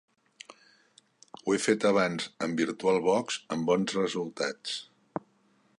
Ho he fet abans amb VirtualBox amb bons resultats.